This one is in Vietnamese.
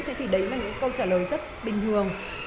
thế thì đấy là những câu trả lời rất bình thường